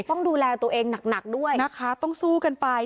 ต้องดูแลตัวเองหนักด้วยนะคะต้องสู้กันไป